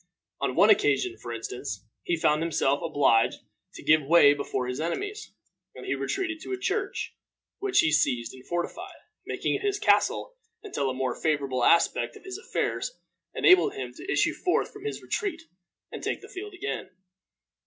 On one occasion, for instance, he found himself obliged to give way before his enemies, and he retreated to a church, which he seized and fortified, making it his castle until a more favorable aspect of his affairs enabled him to issue forth from this retreat and take the field again.